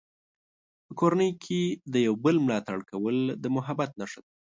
په کورنۍ کې د یو بل ملاتړ کول د محبت نښه ده.